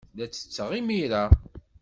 La ttetteɣ imir-a.